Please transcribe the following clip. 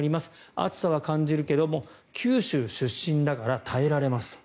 暑さは感じるけれど九州出身だから耐えられますと。